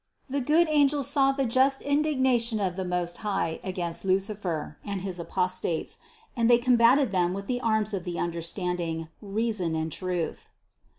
The good angels saw the just indignation of the Most High against Lucifer and his apostates and they combated them with the arms of the understanding, reason and truth.